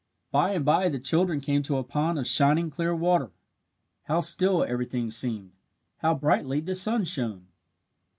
By and bye the children came to a pond of shining, clear water. How still everything seemed, how brightly the sun shone!